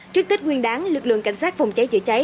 trước tết nguyên đáng lực lượng cảnh sát phòng cháy chữa cháy